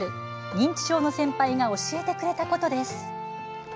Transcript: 「認知症の先輩が教えてくれたこと」です。